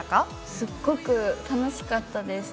すごく楽しかったです。